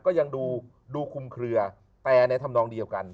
ก็ยังดูคุมเคลือแต่ในธรรมนองเดียวกัน